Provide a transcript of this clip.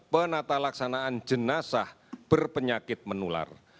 penata laksanaan jenazah berpenyakit menular